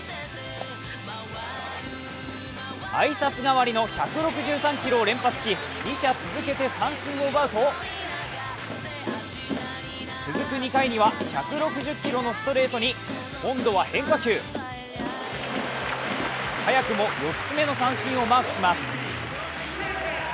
挨拶代わりの１６３キロを連発し、２者続けて三振を奪うと、続く２回には１６０キロのストレートに今度は変化球早くも４つめの三振をマークします